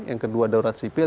yang kedua daurat sipil